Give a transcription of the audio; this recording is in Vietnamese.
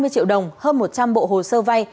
hai mươi triệu đồng hơn một trăm linh bộ hồ sơ vay